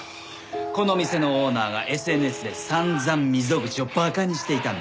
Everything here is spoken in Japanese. この店のオーナーがＳＮＳで散々溝口を馬鹿にしていたんだ。